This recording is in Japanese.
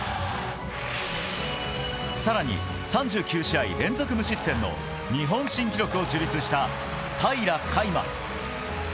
更に３９試合連続無失点の日本新記録を樹立した平良海馬。